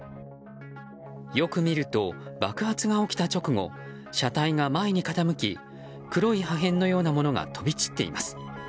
よく見ると爆発が起きた直後車体が前に傾き黒い破片のようなものが飛び散っています。